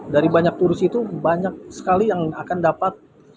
dari banyak turus itu banyak sekali yang akan dapat